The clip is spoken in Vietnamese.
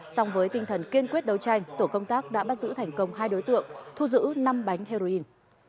song với tinh thần kiên quyết đấu tranh tổ công tác đã bắt giữ thành công hai đối tượng thu giữ năm bánh heroin